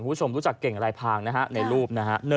คุณผู้ชมรู้จักเก่งลายพลางในรูปนะครับ